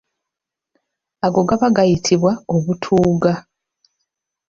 Ago gaba gayitibwa obutuuga.